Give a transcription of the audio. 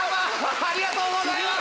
ありがとうございます！